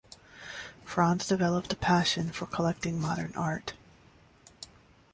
Franz developed a passion for collecting modern art.